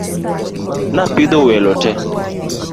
Napidho welo te.